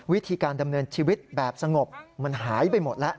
วิธีการดำเนินชีวิตแบบสงบมันหายไปหมดแล้ว